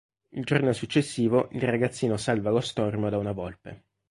Il giorno successivo il ragazzino salva lo stormo da una volpe.